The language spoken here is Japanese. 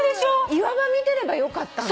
岩場見てればよかったんだ。